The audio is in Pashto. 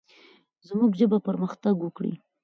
زموږ ژبه پرمختګ وکړي.